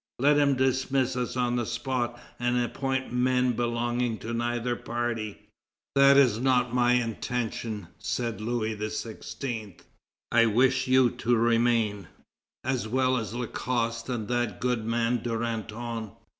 Let him dismiss us on the spot, and appoint men belonging to neither party." "That is not my intention," said Louis XVI. "I wish you to remain, as well as Lacoste and that good man, Duranton.